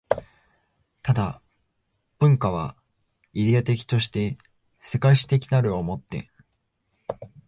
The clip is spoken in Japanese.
但、文化はイデヤ的として世界史的なるを以て